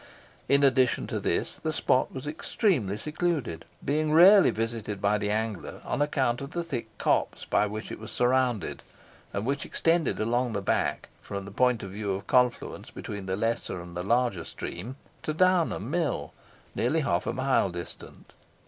In addition to this, the spot was extremely secluded, being rarely visited by the angler on account of the thick copse by which it was surrounded and which extended along the back, from the point of confluence between the lesser and the larger stream, to Downham mill, nearly half a mile distant.